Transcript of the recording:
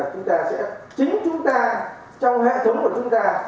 chúng ta sẽ chính chúng ta trong hệ thống của chúng ta